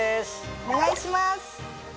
お願いします。